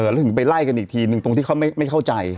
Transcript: แล้วถึงไปไล่กันอีกทีนึงตรงที่เขาไม่เข้าใจ